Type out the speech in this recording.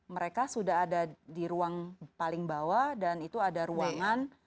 mereka sudah ada di ruang paling bawah dan itu ada ruangan